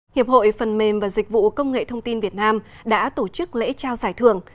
hiệp hội phần mềm và dịch vụ công nghệ thông tin việt nam đã tổ chức lễ trao giải thưởng